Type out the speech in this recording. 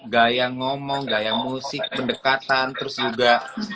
gaya ngomong gaya musik pendekatan terus juga